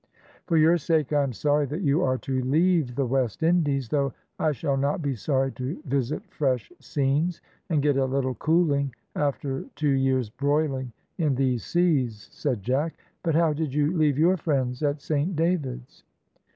"For your sake I am sorry that you are to leave the West Indies, though I shall not be sorry to visit fresh scenes, and get a little cooling after a two years broiling in these seas," said Jack; "but how did you leave your friends at Saint David's?"